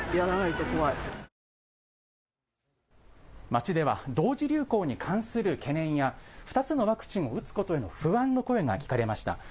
街では同時流行に関する懸念や２つのワクチンを打つことへの不安の声が聞かれました。